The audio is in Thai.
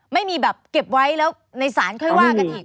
ไม่มีแบบเก็บไว้ในศาลค่อยว่ากระดายกรรมกันอีก